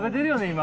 今？